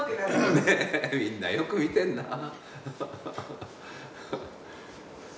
みんなよく見てんなぁ。